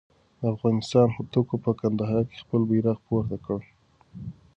د افغانستان هوتکو په کندهار کې خپل بیرغ پورته کړ.